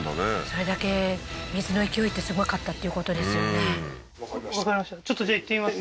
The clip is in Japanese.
それだけ水の勢いってすごかったっていうことですよねははは